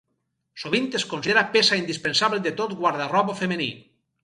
Sovint es considera peça indispensable de tot guarda-roba femení.